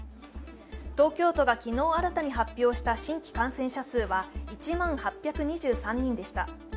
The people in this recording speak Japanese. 東京都が昨日新たに発表した新規感染者数は１万８２３人でした。